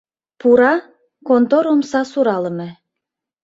Пура — контор омса суралыме.